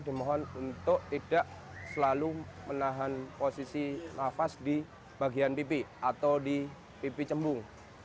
dimohon untuk tidak selalu menahan posisi nafas di bagian pipi atau di pipi cembung